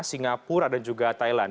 singapura dan juga thailand